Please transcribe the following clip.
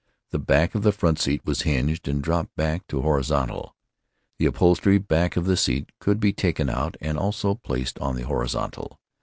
The back of the front seat was hinged, and dropped back to horizontal. The upholstery back of the back seat could be taken out and also placed on the horizontal.